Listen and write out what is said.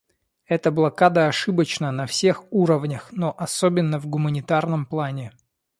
Эта блокада ошибочна на всех уровнях, но особенно в гуманитарном плане.